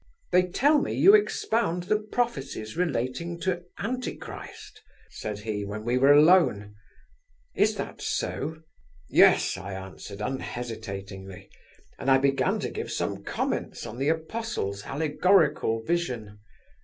'They tell me you expound the prophecies relating to Antichrist,' said he, when we were alone. 'Is that so?' 'Yes,' I answered unhesitatingly, and I began to give some comments on the Apostle's allegorical vision.